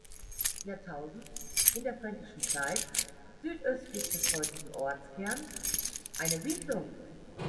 Jahrtausend, in der fränkischen Zeit, südöstlich des heutigen Ortskerns eine Siedlung.